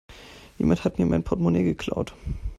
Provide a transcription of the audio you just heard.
Jemand hat mir mein Portmonee geklaut.